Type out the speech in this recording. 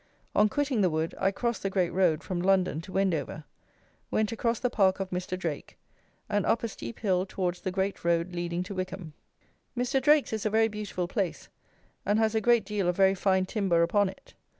On quitting the wood I crossed the great road from London to Wendover, went across the park of Mr. Drake, and up a steep hill towards the great road leading to Wycombe. Mr. Drake's is a very beautiful place, and has a great deal of very fine timber upon it.